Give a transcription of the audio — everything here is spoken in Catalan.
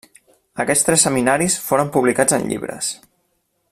Aquests tres seminaris foren publicats en llibres.